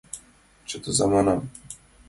Чытыза, манам!